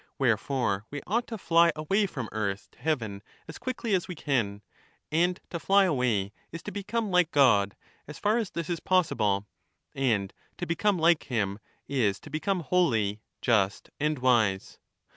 Wherefore we ought to fly away from earth to theodoios. heaven as quickly as we can ; and to fly away is to become ^«man like God, as far as this is possible; and to become like him, from which is to become holy, just, and wise.